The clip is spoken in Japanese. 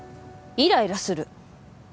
イライラする。